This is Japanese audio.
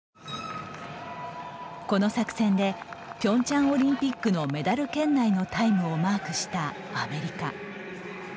この作戦でピョンチャンオリンピックのメダル圏内のタイムをマークしたアメリカ。